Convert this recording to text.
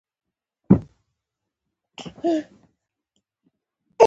د کبانو د ژوند او ودې لپاره د چاپیریال تودوخه یو مهم عامل دی.